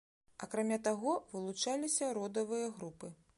Акрамя таго, вылучаліся родавыя групы.